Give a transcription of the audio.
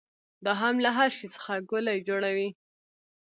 دا هم له هر شي څخه ګولۍ جوړوي.